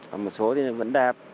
còn một số thì nó vẫn đẹp